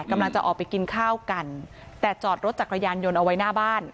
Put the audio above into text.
กำลังจะออกไปกินข้าวกันแต่จอดรถจักรยานยนต์เอาไว้หน้าบ้าน